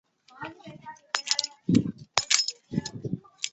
教堂在二战期间遭到破坏。